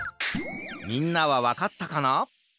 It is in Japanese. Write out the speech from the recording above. みんなはわかったかな？